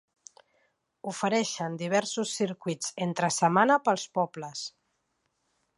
Ofereixen diversos circuits entre setmana pels pobles.